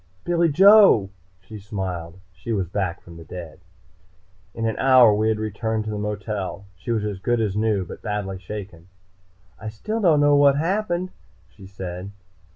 "Billy Joe!" she smiled. She was back from the dead. In an hour we had returned to the motel. She was as good as new, but badly shaken. "I still don't know what happened," she said.